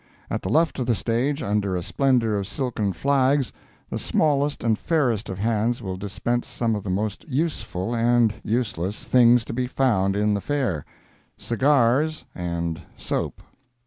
At the left of the stage, under a splendor of silken flags, the smallest and fairest of hands will dispense some of the most useful and useless things to be found in the Fair—cigars and soap.